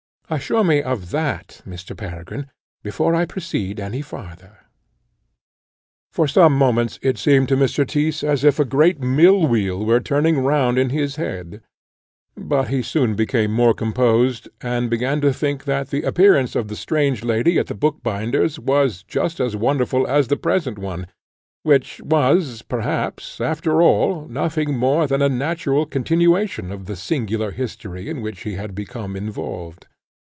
Assure me of that, Mr. Peregrine, before I proceed any farther." For some moments it seemed to Mr. Tyss as if a great mill wheel were turning round in his head; but he soon became more composed, and began to think that the appearance of the strange lady at the bookbinder's was just as wonderful as the present one, which was, perhaps, after all, nothing more than a natural continuation of the singular history in which he had become involved.